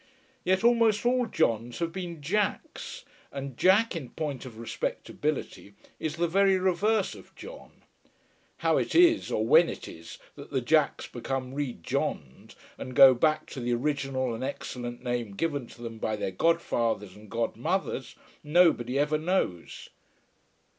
Yet almost all Johns have been Jacks, and Jack, in point of respectability, is the very reverse of John. How it is, or when it is, that the Jacks become re Johned, and go back to the original and excellent name given to them by their godfathers and godmothers, nobody ever knows.